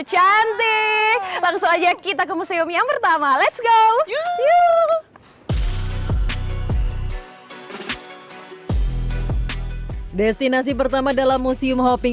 cantik langsung aja kita ke museum yang pertama let's go destinasi pertama dalam museum hoping